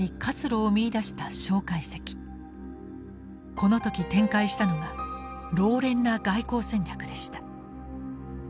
この時展開したのが老練な外交戦略でした。